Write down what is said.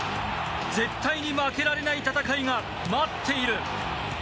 絶対に負けられない戦いが待っている。